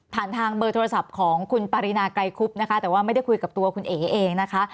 ทางเบอร์โทรศัพท์ของคุณปรินาไกรคุบนะคะแต่ว่าไม่ได้คุยกับตัวคุณเอ๋เองนะคะ